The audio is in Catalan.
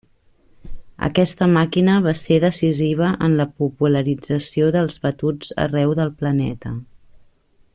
Aquesta màquina va ser decisiva en la popularització dels batuts arreu del planeta.